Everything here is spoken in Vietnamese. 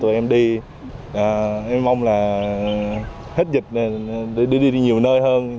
em mong là hết dịch để đi nhiều nơi hơn